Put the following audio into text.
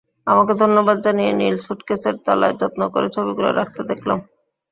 আমাকে ধন্যবাদ জানিয়ে নীল স্যুটকেসের তলায় যত্ন করে ছবিগুলো রাখতে দেখলাম।